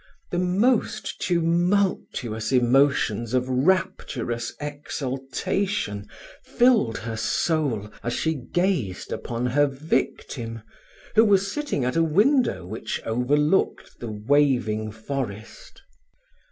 The most tumultuous emotions of rapturous exultation filled her soul as she gazed upon her victim, who was sitting at a window which overlooked the waving forest.